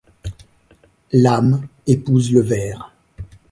L’âme épouse le ver